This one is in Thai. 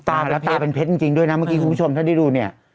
ตาเป็นเพชรแล้วตาเป็นเพชรจริงจริงด้วยนะเมื่อกี้คุณผู้ชมถ้าได้ดูเนี่ย